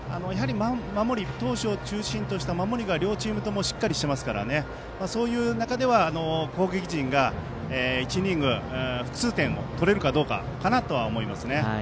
投手を中心とした守りが両チームともしっかりとしていますからそういう中では攻撃陣が１イニングで複数点を取れるかどうかかなと思います。